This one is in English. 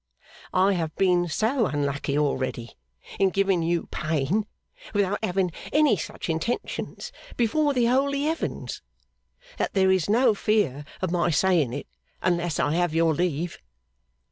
I have been so unlucky already in giving you pain without having any such intentions, before the holy Heavens! that there is no fear of my saying it unless I have your leave.